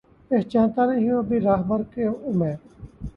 پہچانتا نہیں ہوں ابھی راہبر کو میں